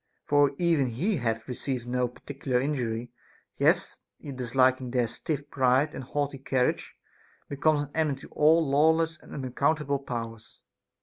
For even he that hath received no particular injury, yet disliking their stiff pride and haughty carriage, becomes an enemy to all lawless and unaccount able powers.